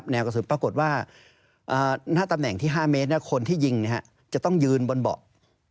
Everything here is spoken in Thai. กระสุนปรากฏว่าหน้าตำแหน่งที่๕เมตรคนที่ยิงจะต้องยืนบนเบาะ